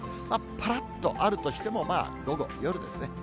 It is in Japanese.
ぱらっとあるとしても、まあ、ほぼ夜ですね。